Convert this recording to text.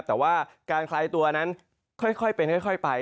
แต่ว่าการคลายตัวนั้นค่อยเป็นค่อยไป